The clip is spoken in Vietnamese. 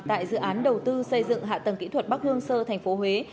tại dự án đầu tư xây dựng hạ tầng kỹ thuật bắc hương sơ tp huế